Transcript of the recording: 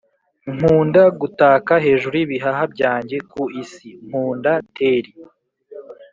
nkunda gutaka hejuru y'ibihaha byanjye ku isi "nkunda terri!"